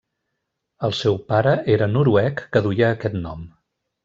El seu pare era noruec que duia aquest nom.